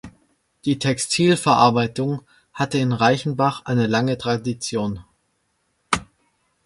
Die Textilverarbeitung hatte in Reichenbach eine lange Tradition.